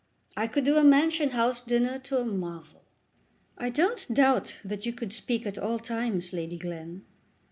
I could do a Mansion House dinner to a marvel!" "I don't doubt that you could speak at all times, Lady Glen."